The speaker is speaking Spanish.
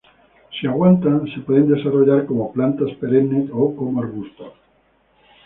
Si aguantan, se pueden desarrollar como plantas perennes o como arbustos.